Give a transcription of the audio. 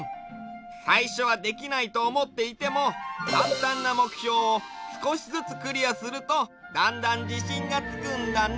さいしょはできないとおもっていてもかんたんなもくひょうをすこしずつクリアするとだんだんじしんがつくんだね！